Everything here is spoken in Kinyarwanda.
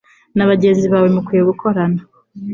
na bagenzi bawe mukwiye gukorana